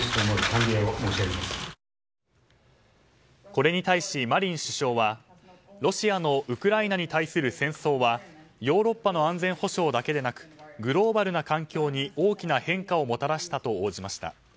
これに対し、マリン首相はロシアのウクライナに対する戦争はヨーロッパの安全保障だけでなくグローバルな環境に大きな変化をもたらしたと応じました。